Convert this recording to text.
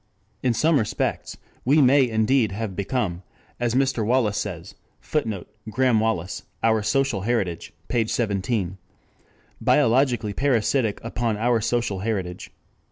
In some respects, we may indeed have become, as Mr. Wallas says, [Footnote: Graham Wallas, Our Social Heritage, p. 17.] biologically parasitic upon our social heritage.